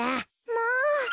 まあ。